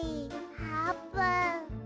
あーぷん。